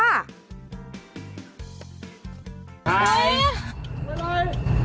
ไอ๊อะไรไอ้อะไร